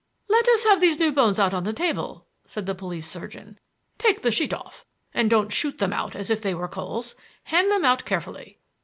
"Let us have these new bones out on the table," said the police surgeon. "Take the sheet off, and don't shoot them out as if they were coals. Hand them out carefully."